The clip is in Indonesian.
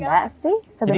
enggak sih sebenarnya